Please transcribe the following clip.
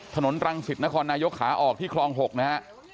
ถนนรังสิตนครนายกขาออกที่คลอง๖นะฮะ